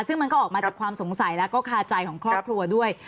ซึ่งมันก็ออกมาจากความสงสัยแล้วก็คาใจของครอบครัวด้วย